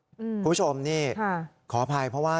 คุณผู้ชมนี่ขออภัยเพราะว่า